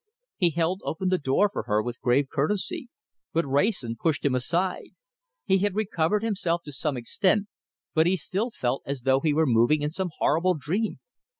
He held open the door for her with grave courtesy, but Wrayson pushed him aside. He had recovered himself to some extent, but he still felt as though he were moving in some horrible dream.